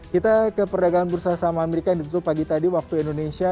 kita ke perdagangan bursa saham amerika yang ditutup pagi tadi waktu indonesia